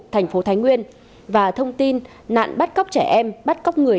thành phố thái nguyên và thông tin nạn bắt cóc trẻ em bắt cóc người